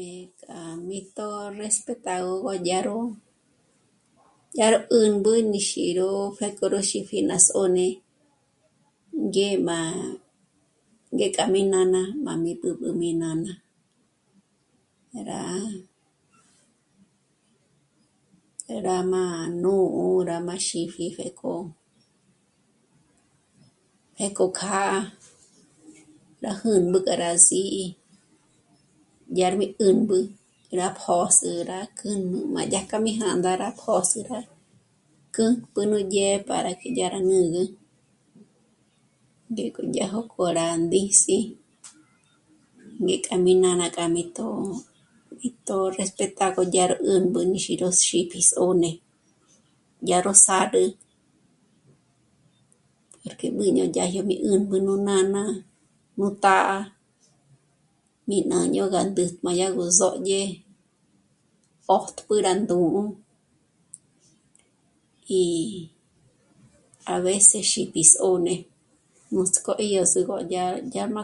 Eh... k'a mí tó respetagö dyá ró, dyá ró 'ǘmbü mí xí'i ró pjéko rí xíji rá sô'n'e ngé má... ngéka mí nána, má mí b'ǚb'ü mí nána... rá... rá má nú'u... rá má xípji pjéko... pjéko kjâ'a rá jǘmbü para sí'i dyármí 'ǘmbü rá pjös'ü rá k'ǘmbü má dyájkja mí jā̂ndā rá pjö́s'ü rá k'ǚpjü nú dyë'ë para que dyá rá nǚgü, ngéko dyá jókò rá ndís'i ngéka mí nána ngéka rí tó'o, rí tó'o respetagö yá rú 'ǘmbü xí ró xípji sô'n'e, dyá ró sârü porque mí 'ùnü dyajo mí 'ǘmbü nú nána, nú tá'a, mí ñâño gá ndé má dyá gú sódye pö̂jtp'ü rá ndú'u y a veces xípji sô'n'e nuts'k'o rí sú' ró dya má...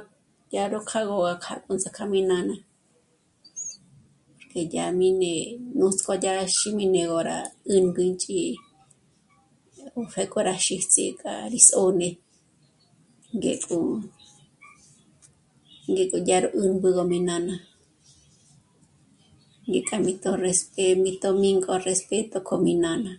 dyá ró kjâ'a gó ts'ák'a mí nána porque yá mi né'e nuts'k'o yá rá xîm'i né'egö rá 'ǘngü ínch'í'i, pjéko rá xíts'i k'a rí sô'n'e ngéko, ngéko yá ró 'ǘmbü mí nána, ngéka mí tó'respe... mí tó'respeto k'o mí nána